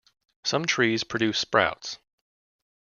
Some trees produce sprouts.